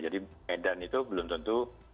jadi medan itu belum tentu